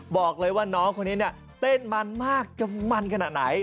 บอกเลยว่าน้องคนนี้เนี่ยเต้นมันมากจะมันขนาดไหน